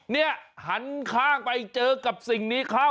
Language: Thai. เนี่ยหันข้างไปเจอกับสิ่งนี้เข้า